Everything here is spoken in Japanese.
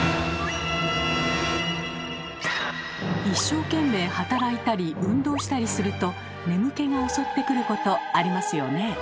一生懸命働いたり運動したりすると眠気がおそってくることありますよねえ。